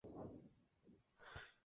Fue muy criticado.